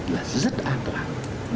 là rất an toàn